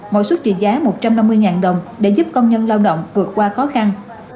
mỗi xuất trị giá một trăm năm mươi đồng để giúp công nhân lao động vượt qua khó khăn